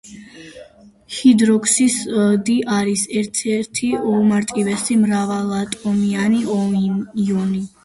ჰიდროქსიდი არის ერთ ერთი უმარტივესი მრავალატომიანი იონი.